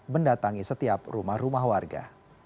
mendatangi setiap rumah rumah warga